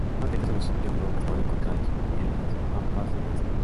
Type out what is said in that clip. Más de treinta son los geoglifos hasta hoy encontrados en las Pampas de Nazca.